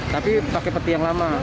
tapi pakai peti yang lama